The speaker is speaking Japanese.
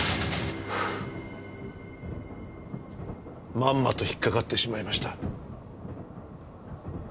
まんまとひっかかってしまいました。